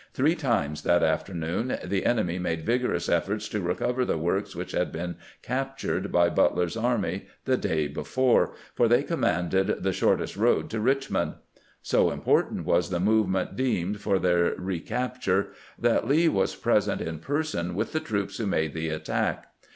Three times that afternoon the enemy made Adgorous efforts to recover the works which had been captured by Butler's army the day be fore, for they commanded the shortest road to Eichmond. So important was the movement deemed for their re capture that Lee was present in person with the troops who made the attack.